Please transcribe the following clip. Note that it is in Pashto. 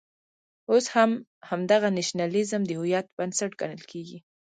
اوس همدغه نېشنلېزم د هویت بنسټ ګڼل کېږي.